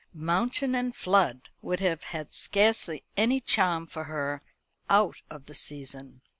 Mountain and flood would have had scarcely any charm for her "out of the season."